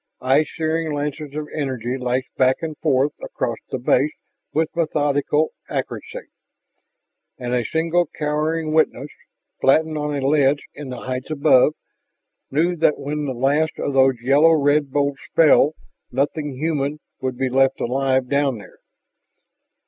Eye searing lances of energy lashed back and forth across the base with methodical accuracy. And a single cowering witness, flattened on a ledge in the heights above, knew that when the last of those yellow red bolts fell, nothing human would be left alive down there.